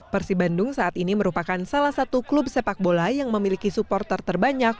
persib bandung saat ini merupakan salah satu klub sepak bola yang memiliki supporter terbanyak